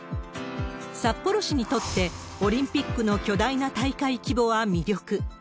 札幌市にとって、オリンピックの巨大な大会規模は魅力。